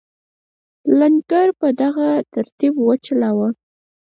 لنګر په دغه ترتیب وچلاوه.